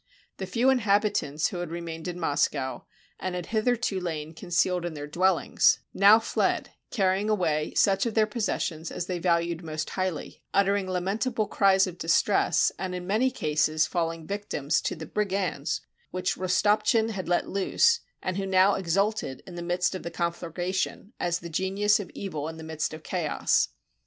The few inhabitants who had remained in Mos cow, and had hitherto lain concealed in their dwellings, 124 THE BURNING OF MOSCOW now fled, carrying away such of their possessions as they valued most highly, uttering lamentable cries of distress, and, in many instances, falling victims to the brigands whom Rostopchin had let loose, and who now exulted in the midst of the conflagration, as the genius of evil in the midst of chaos.